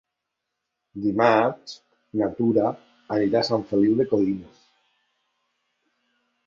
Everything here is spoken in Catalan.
Dimarts na Tura anirà a Sant Feliu de Codines.